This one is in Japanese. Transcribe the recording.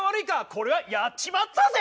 これはやっちまったぜ！